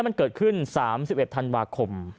มันเกิดขึ้น๓๑ธันวาคม